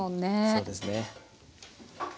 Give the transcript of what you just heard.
そうですね。